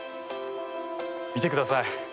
見てください。